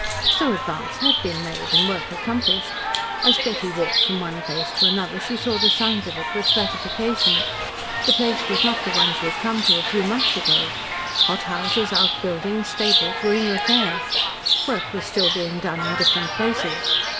So advance had been made, and work accomplished. As Betty walked from one place to another she saw the signs of it with gratification. The place was not the one she had come to a few months ago. Hothouses, outbuildings, stables were in repair. Work was still being done in different places.